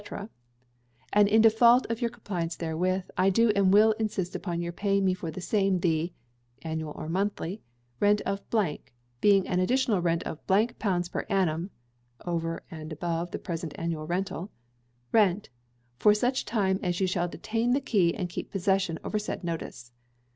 _], and in default of your compliance therewith, I do and will insist on your paying me for the same, the [annual or monthly] rent of , being an additional rental of pounds per annum [over and above the present annual rental] rent, for such time as you shall detain the key and keep possession over the said notice.